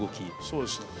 そうですね。